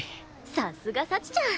さすが幸ちゃん！